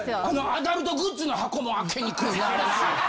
アダルトグッズの箱も開けにくいなあれな。